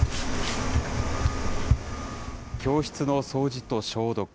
教室の掃除と消毒。